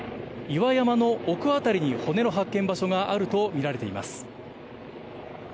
岩山の奥あたりに骨の発見場所があるとみられています。